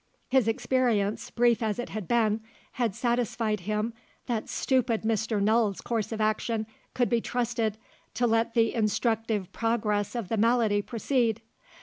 His experience, brief as it had been, had satisfied him that stupid Mr. Null's course of action could be trusted to let the instructive progress of the malady proceed.